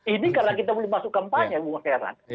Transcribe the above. ini karena kita belum masuk kampanye gue heran